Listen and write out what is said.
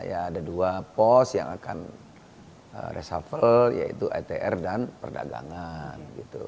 ada dua pos yang akan reshuffle yaitu atr dan perdagangan